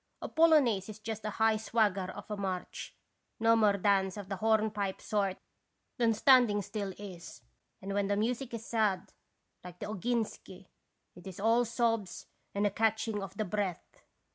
A polonaise is just a high swagger of a march, no more dance of the hornpipe sort than stand ing still is, and when the music is sad, like the ' Oginski,' it is all sobs and a catching of the breath.